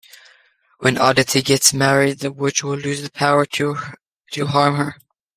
When Odette gets married the witch will lose the power to harm her.